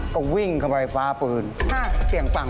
ก็วิ่งเข้าไปฟ้าปืน